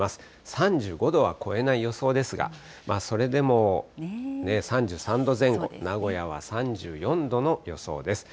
３５度は超えない予想ですが、それでも３３度前後、名古屋は３４度の予想です。